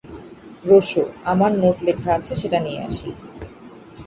রোসো, আমার নোট লেখা আছে, সেটা নিয়ে আসি।